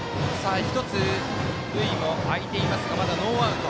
１つ塁も空いていますがまだノーアウト。